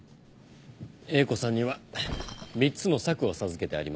英子さんには３つの策を授けてあります。